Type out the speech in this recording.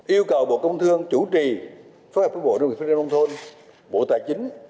yêu cầu bộ công thương chủ trì phóng hợp với bộ đông thôn bộ tài chính